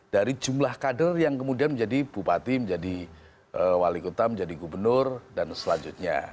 dari jumlah kader yang kemudian menjadi bupati menjadi wali kota menjadi gubernur dan selanjutnya